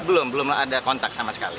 belum belum ada kontak sama sekali